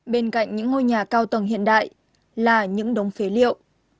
bên cạnh những ngôi nhà cao tầng hiện đại là những đống phế liệu